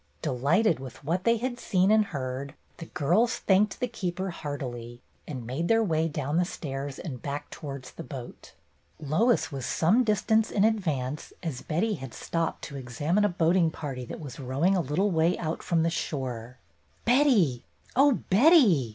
Delighted with what they had seen and heard, the girls thanked the keeper heartily and made their way down the stairs and back towards their boat. THE PICNIC 35 Lois was some distance in advance, as Betty had stopped to examine a boating party that was rowing a little way out from the shore. "Betty, oh, Betty!